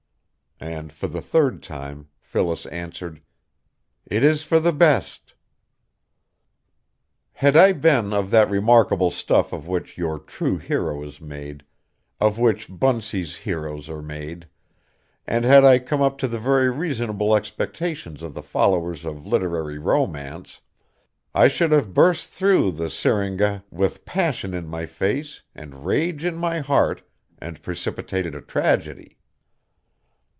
And for the third time Phyllis answered: "It is for the best." Had I been of that remarkable stuff of which your true hero is made, of which Bunsey's heroes are made, and had I come up to the very reasonable expectations of the followers of literary romance, I should have burst through the syringa with passion in my face and rage in my heart and precipitated a tragedy.